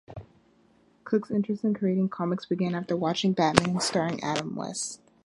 Cooke's interest in creating comics began after watching "Batman" starring Adam West.